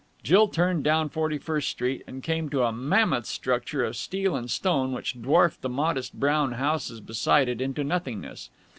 Jill turned down Forty first Street, and came to a mammoth structure of steel and stone which dwarfed the modest brown houses beside it into nothingness.